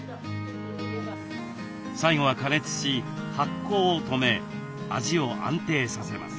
最後は過熱し発酵を止め味を安定させます。